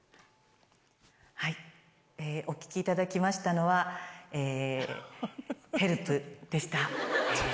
はい、お聴きいただきましたのは、ＨＥＬＰ！でした。